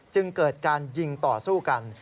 จึงเกิดการยิงต่อสู้กัน